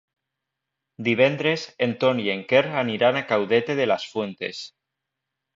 Divendres en Ton i en Quer aniran a Caudete de las Fuentes.